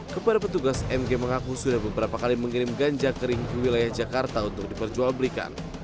kepada petugas mg mengaku sudah beberapa kali mengirim ganja kering ke wilayah jakarta untuk diperjual belikan